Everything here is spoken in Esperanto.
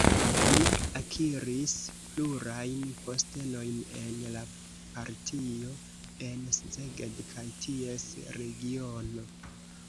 Li akiris plurajn postenojn en la partio en Szeged kaj ties regiono.